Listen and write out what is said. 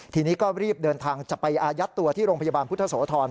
ทีนี้ก็รีบเดินทางจะไปอายัดตัวที่โรงพยาบาลพุทธโสธร